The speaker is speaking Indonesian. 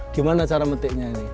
gimana cara metiknya ini